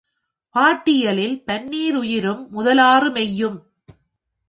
பாட்டியலில், பன்னீருயிரும் முதலாறு மெய்யும்.